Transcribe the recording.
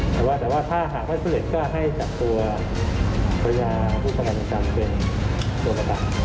แต่ว่าถ้าหากไม่เสร็จก็ให้จับตัวพระยาผู้ประมาณต่างเป็นตัวประตัก